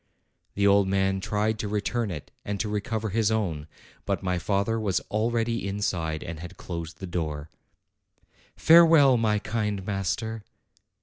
The old man tried to return it and to recover his own ; but my father was already inside and had closed the door. "Farewell, my kind master!"